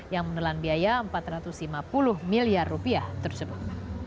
yang menelan biaya empat ratus lima puluh miliar rupiah tersebut